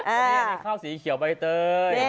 อันนี้มีข้าวสีเขียวใบเตย